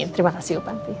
terima kasih ibu panti